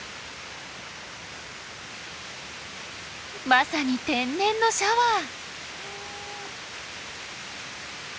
まさに天然のシャワー！